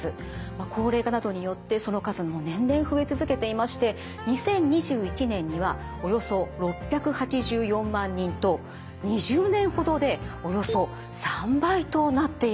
高齢化などによってその数も年々増え続けていまして２０２１年にはおよそ６８４万人と２０年ほどでおよそ３倍となっているんです。